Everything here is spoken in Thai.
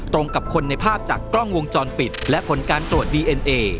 ตรงกับคนในภาพจากกล้องวงจรปิดและผลการตรวจดีเอ็นเอ